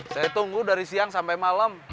saya tunggu dari siang sampai malam